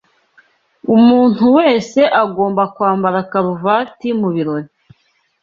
Umuntu wese agomba kwambara karuvati mubirori.